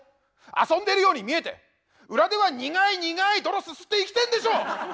遊んでるように見えて裏では苦い苦い泥すすって生きてんでしょ！」。